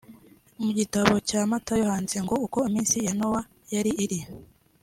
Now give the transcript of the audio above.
Mu gitabo cya Matayo handitse ngo “Uko iminsi ya Nowa yari iri